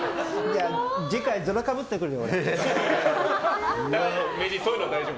次回、ヅラかぶってくるよ。